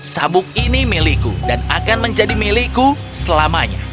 sabuk ini milikku dan akan menjadi milikku selamanya